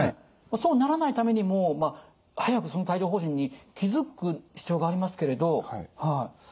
そうならないためにも早く帯状ほう疹に気付く必要がありますけれどはい。